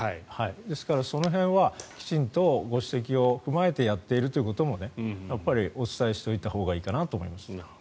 ですから、その辺はきちんとご指摘を踏まえてやっているということもやっぱりお伝えしておいたほうがいいかなと思います。